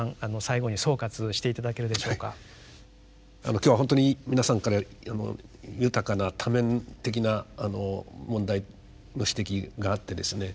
今日はほんとに皆さんから豊かな多面的な問題の指摘があってですね